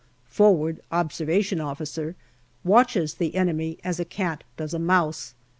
(Forward Observation Officer) watches the enemy as a cat does a mouse.